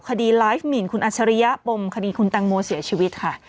คดีไลฟ์หมินคุณอัชริยะปมคดีคุณแตงโมเสียชีวิตค่ะ